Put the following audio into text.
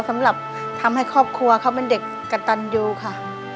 ทำให้ครอบครัวเขาเป็นเด็กกระตันอยู่ค่ะ